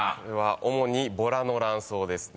主に「ボラの卵巣」ですね。